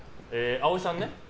葵さんね。